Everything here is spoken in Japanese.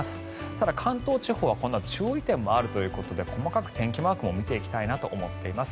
ただ、関東地方は注意点もあるということで細かく天気マークも見ていきたいと思います。